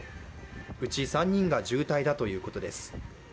うち３人が重体だということです。